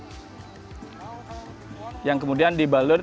bung khabeit yang kemudian dibalut ng death